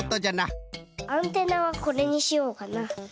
アンテナはこれにしようかな。